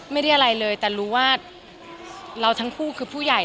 ไม่ได้อะไรเลยแต่รู้ว่าเราทั้งคู่คือผู้ใหญ่